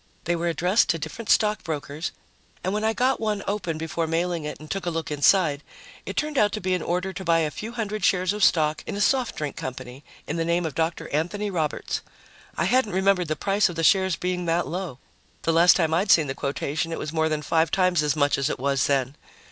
They were addressed to different stock brokers and when I got one open before mailing it and took a look inside, it turned out to be an order to buy a few hundred shares of stock in a soft drink company in the name of Dr. Anthony Roberts. I hadn't remembered the price of the shares being that low. The last time I'd seen the quotation, it was more than five times as much as it was then.